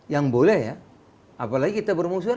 yang boleh ya apalagi kita bermusuhan